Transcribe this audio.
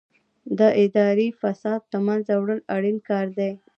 د اداري فساد له منځه وړل اړین کار دی.